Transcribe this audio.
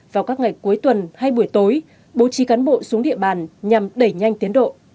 vào các ngày cuối tuần hay buổi tối bố trí cán bộ xuống địa bàn nhằm đẩy nhanh tiến độ